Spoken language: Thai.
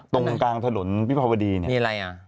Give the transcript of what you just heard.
ตรงกลางถนนพิภาวดีเนี่ย